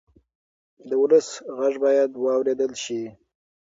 د ولس غږ باید واورېدل شي.